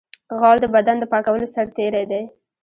غول د بدن د پاکولو سرتېری دی.